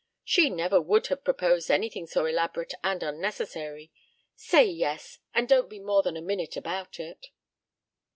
She never would have proposed anything so elaborate and unnecessary. Say yes, and don't be more than a minute about it."